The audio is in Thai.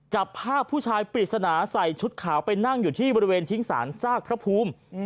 จับภาพผู้ชายปริศนาใส่ชุดขาวไปนั่งอยู่ที่บริเวณทิ้งสารซากพระภูมิ